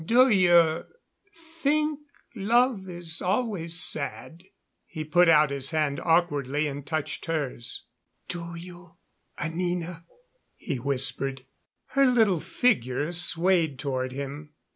Do you think love is always sad?" He put out his hand awkwardly and touched hers. "Do you, Anina?" he whispered. Her little figure swayed toward him.